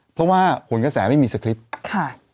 เพราะว่าผลกระแสไม่มีสคริปต์ค่ะ